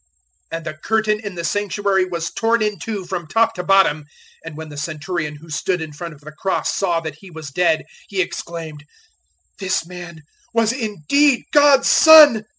015:038 And the curtain in the Sanctuary was torn in two, from top to bottom. 015:039 And when the Centurion who stood in front of the cross saw that He was dead, he exclaimed, "This man was indeed God's Son."